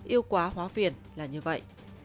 yêu quá hóa phiền là như vậy